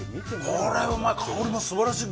これうまい。